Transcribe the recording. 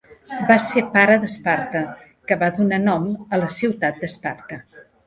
Va ser pare d'Esparta, que va donar nom a la ciutat d'Esparta.